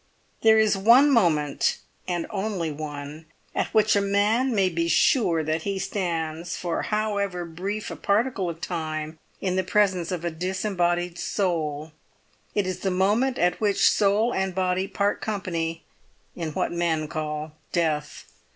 There is one moment, and only one, at which a man may be sure that he stands, for however brief a particle of time, in the presence of a disembodied soul. It is the moment at which soul and body part company in what men call death.